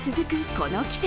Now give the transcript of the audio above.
この季節。